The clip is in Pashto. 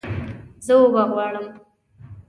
زه اوبه غواړم